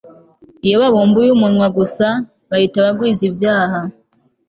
iyo babumbuye umunwa gusa, bahita bagwiza ibyaha